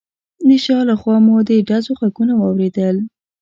د شا له خوا مو د ډزو غږونه واورېدل.